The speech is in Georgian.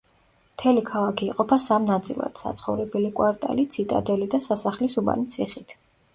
მთელი ქალაქი იყოფა სამ ნაწილად: საცხოვრებელი კვარტალი, ციტადელი და სასახლის უბანი ციხით.